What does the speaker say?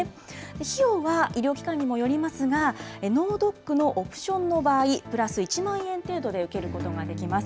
費用は医療機関にもよりますが、脳ドックのオプションの場合、プラス１万円程度で受けることができます。